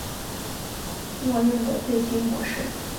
默认的对局模式。